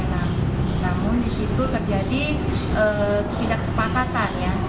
namun di situ terjadi tidak sepakatan